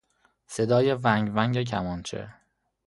صدای ونگ ونگ کمانچه